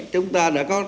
chúng ta đã có